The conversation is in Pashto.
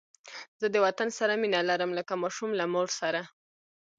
زه د وطن سره مینه لرم لکه ماشوم له مور سره